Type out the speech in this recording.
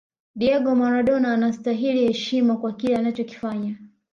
diego maradona anasitahili heshima kwa kile alichokifanya